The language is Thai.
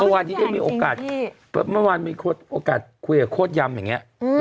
เมื่อวันที่ได้มีโอกาสพบเมื่อวันมีโอกาสคุยกับโฆษยำอย่างเงี้ยอืม